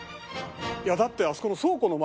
いやだってあそこの。